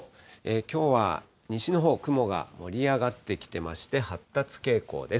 きょうは西のほう、雲が盛り上がってきてまして、発達傾向です。